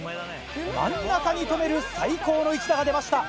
真ん中に止める最高の１打が出ました。